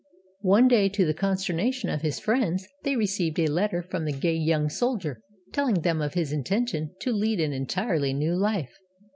One day, to the consternation of his friends, they received a letter from the gay young soldier, telling them of his intention to lead an entirely new life.